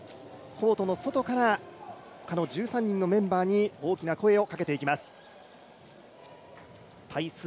コートの外からこの１３人のメンバーに大きな声をかけていきます。